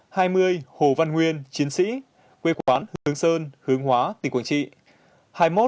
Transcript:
hai mươi hồ văn nguyên chiến sĩ quê quán hướng sơn hướng hóa tỉnh quảng trị